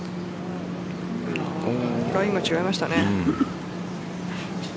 ラインが違いましたね。